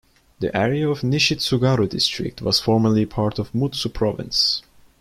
The area of Nishitsugaru District was formerly part of Mutsu Province.